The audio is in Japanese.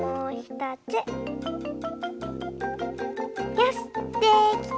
よしできた！